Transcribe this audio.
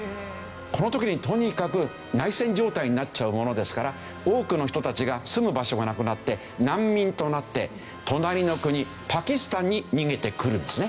この時にとにかく内戦状態になっちゃうものですから多くの人たちが住む場所がなくなって難民となって隣の国パキスタンに逃げてくるんですね。